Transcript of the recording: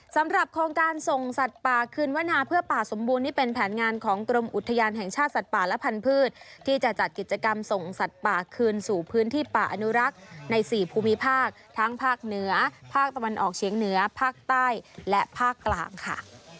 สำหรับโครงการส่งสัตว์ป่าคืนวนาเพื่อป่าสมบูรณ์นี่เป็นแผนงานของกรมอุทยานแห่งชาติสัตว์ป่าและพันธุ์ที่จะจัดกิจกรรมส่งสัตว์ป่าคืนสู่พื้นที่ป่าอนุรักษ์ใน๔ภูมิภาคทั้งภาคเหนือภาคตะวันออกเฉียงเหนือภาคใต้และภาคกลางค่ะ